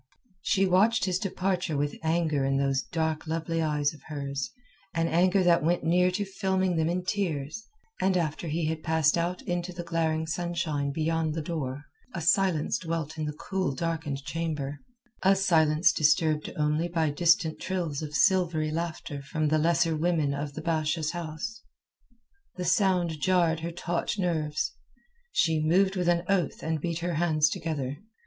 She watched his departure with anger in those dark lovely eyes of hers, an anger that went near to filming them in tears, and after he had passed out into the glaring sunshine beyond the door, a silence dwelt in the cool darkened chamber—a silence disturbed only by distant trills of silvery laughter from the lesser women of the Basha's house. The sound jarred her taut nerves. She moved with an oath and beat her hands together.